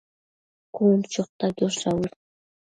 cun chu chota quiosh dauës